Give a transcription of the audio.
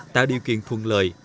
tạo điều kiện thuận lợi